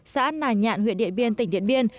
xã nà nhạn huyện điện biên tỉnh điện biên